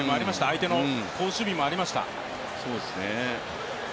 相手の好守備もありました。